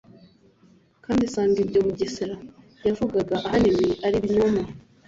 kandi isanga ibyo Mugesera yavugaga ahanini ari ibinyoma